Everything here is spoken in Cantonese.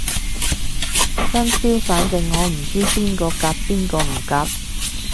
生肖反正我唔知邊個夾邊個唔夾